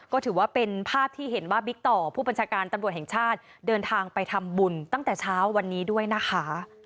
ก็ถือว่าเป็นภาพที่เห็นว่าบิ๊กต่อผู้บัญชาการตำรวจแห่งชาติเดินทางไปทำบุญตั้งแต่เช้าวันนี้ด้วยนะคะ